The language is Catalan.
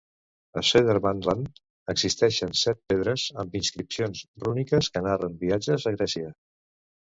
A Södermanland existeixen set pedres amb inscripcions rúniques que narren viatges a Grècia.